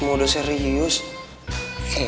jangan mercury beast